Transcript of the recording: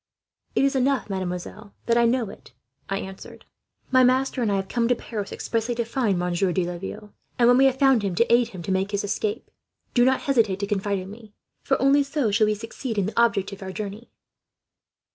"'It is enough, mademoiselle, that I know it,' I said. 'My master and I have come to Paris, expressly to find Monsieur de Laville; and when we have found him, to aid him to make his escape. Do not hesitate to confide in me, for only so shall we succeed in the object of our journey.'